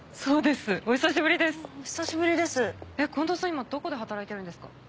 今どこで働いてるんですか？